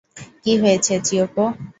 কী হয়েছে, চিয়োকো?